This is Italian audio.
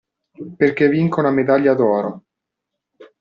Perché vinca una medaglia d'oro.